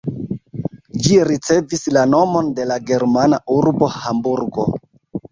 Ĝi ricevis la nomon de la germana urbo Hamburgo.